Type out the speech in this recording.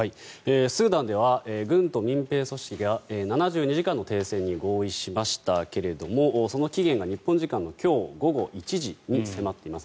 スーダンでは軍と民兵組織が７２時間の停戦に合意しましたけれどもその期限が日本時間の今日午後１時に迫っています。